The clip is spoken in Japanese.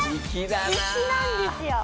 粋なんですよ。